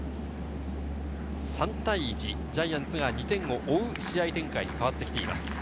３対１、ジャイアンツが２点を追う試合展開に変わっています。